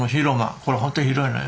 これ本当広いのよ。